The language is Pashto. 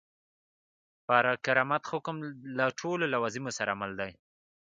پر کرامت حکم له ټولو لوازمو سره مل دی.